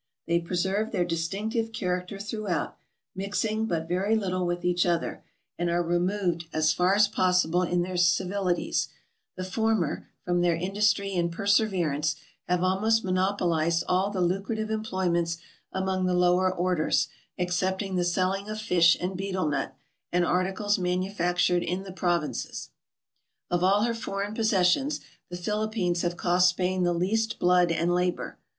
They preserve their distinctive char acter throughout, mixing but very little with each other, and are removed as far as possible in their civilities; the former, from their industry and perseverance, have almost monopolized all the lucrative employments among the lower orders, excepting the selling of fish and betel nut, and articles manufactured in the provinces. Of all her foreign possessions, the Philippines have cost Spain the least blood and labor.